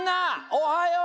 おはよう！